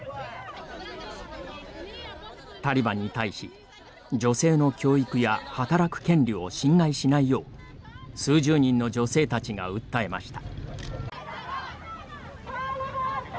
タリバンに対し女性の教育や働く権利を侵害しないよう数十人の女性たちが訴えました。